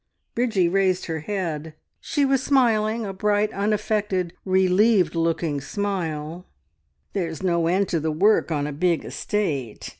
Bridgie raised her head: she was smiling, a bright, unaffected, relieved looking smile. "There's no end to the work on a big estate.